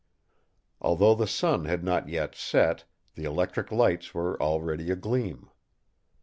Although the sun had not yet set, the electric lights were already agleam.